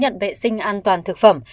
nhận vệ sinh an toàn thực phẩm